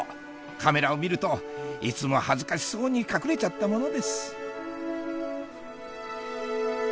カメラを見るといつも恥ずかしそうに隠れちゃったものです